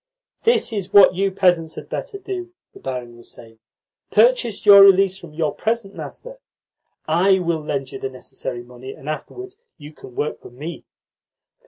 "This is what you peasants had better do," the barin was saying. "Purchase your release from your present master. I will lend you the necessary money, and afterwards you can work for me."